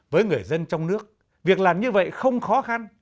với người dân trong nước việc làm như vậy không khó khăn